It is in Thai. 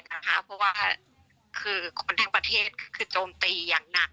เพราะว่าคือคนทั้งประเทศคือโจมตีอย่างหนัก